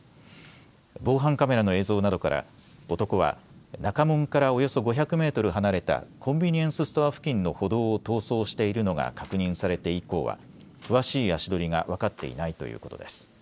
防犯カメラの映像などから男は中門からおよそ５００メートル離れたコンビニエンスストア付近の歩道を逃走しているのが確認されて以降は詳しい足取りが分かっていないということです。